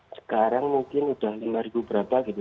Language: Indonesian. sekarang mungkin udah lima ribu berapa gitu